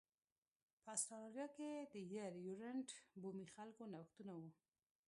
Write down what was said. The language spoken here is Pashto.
په اسټرالیا کې د یر یورونټ بومي خلکو نوښتونه و